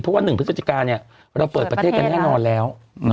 เพราะว่าหนึ่งพฤศจิกาเราเปิดประเทศกันแน่นอนแล้ว